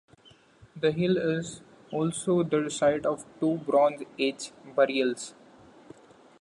The hill is also the site of two Bronze Age burials.